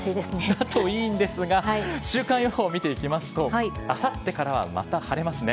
だといいんですが、週間予報見ていきますと、あさってからはまた晴れますね。